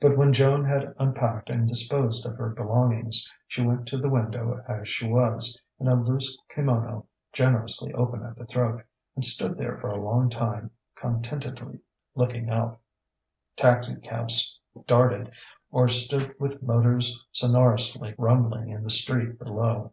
But when Joan had unpacked and disposed of her belongings, she went to the window as she was, in a loose kimono generously open at the throat, and stood there for a long time, contentedly looking out. Taxicabs darted or stood with motors sonorously rumbling in the street below.